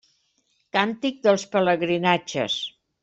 Càntic dels pelegrinatges.